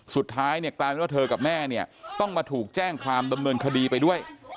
สุดท้ายเนี่ยกลายเป็นว่าเธอกับแม่เนี่ยต้องมาถูกแจ้งความดำเนินคดีไปด้วย